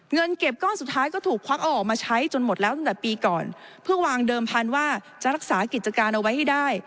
เงินเก็บก้อนสุดท้ายก็ถูกควักเอาออกมาใช้จนหมดแล้วตั้งแต่ปีก่อนเพื่อวางเดิมพันธุ์ว่าจะรักษากิจการเอาไว้ให้ได้